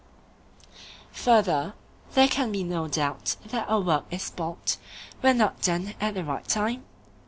Further, there can be no doubt that a work is spoilt when not done at the right time?